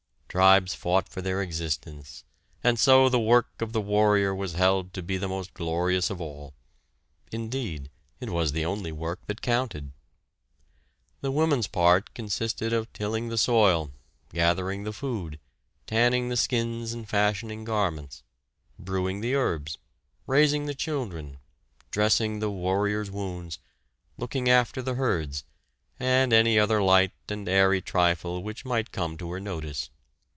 Tribes fought for their existence, and so the work of the warrior was held to be the most glorious of all; indeed, it was the only work that counted. The woman's part consisted of tilling the soil, gathering the food, tanning the skins and fashioning garments, brewing the herbs, raising the children, dressing the warrior's wounds, looking after the herds, and any other light and airy trifle which might come to her notice.